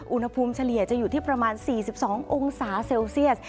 เฉลี่ยจะอยู่ที่ประมาณ๔๒องศาเซลเซียส